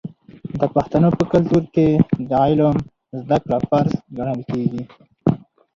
د پښتنو په کلتور کې د علم زده کړه فرض ګڼل کیږي.